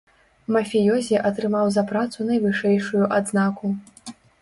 Мафіёзі атрымаў за працу найвышэйшую адзнаку.